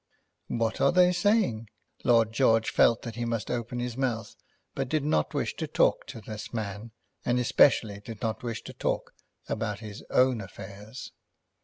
"What are they saying?" Lord George felt that he must open his mouth, but did not wish to talk to this man, and especially did not wish to talk about his own affairs.